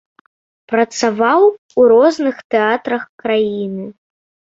Працаваў у розных тэатрах краіны.